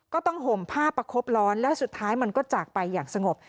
ต้องห่มผ้าประคบร้อนแล้วสุดท้ายมันก็จากไปอย่างสงบ